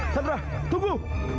sandra lihat aku